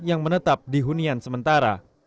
yang menetap di hunian sementara